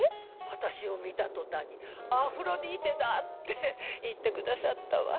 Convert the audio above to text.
私を見たとたんに「アフロディーテだっ！！」って言ってくださったわ。